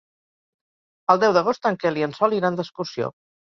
El deu d'agost en Quel i en Sol iran d'excursió.